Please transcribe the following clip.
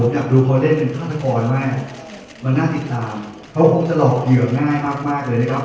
ผมอยากดูเขาเล่นค่าละครอ่ะมันน่าติดตามเขาคงจะหลอกเหยื่องง่ายมากมากเลยนะครับ